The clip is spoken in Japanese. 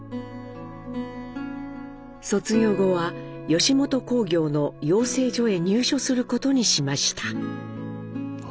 卒業後は吉本興業の養成所へ入所することにしました。